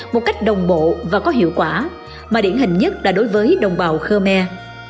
một cách đồng bộ và có hiệu quả mà điển hình nhất là đối với đồng bào khmer